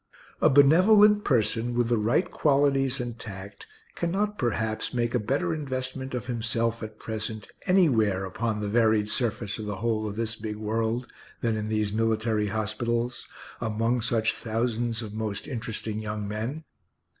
A benevolent person, with the right qualities and tact, cannot, perhaps, make a better investment of himself, at present, anywhere upon the varied surface of the whole of this big world, than in these military hospitals, among such thousands of most interesting young men.